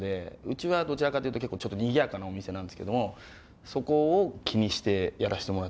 うちはどちらかというと結構ちょっとにぎやかなお店なんですけどもそこを気にしてやらしてもらってます。